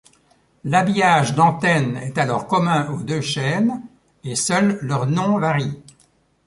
L'habillage d'antenne est alors commun aux deux chaînes et seul leur nom varie.